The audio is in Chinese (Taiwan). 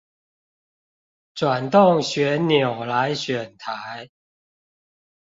轉動旋鈕來選台